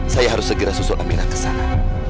saya harus segera susuk amira kesana